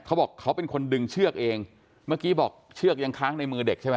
เขาบอกเขาเป็นคนดึงเชือกเองเมื่อกี้บอกเชือกยังค้างในมือเด็กใช่ไหม